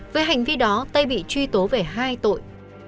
với hành vi đó tây bị truy tố về hai tội